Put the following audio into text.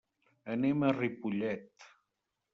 Anem a Ripollet.